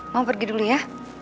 mama pergi dulu ya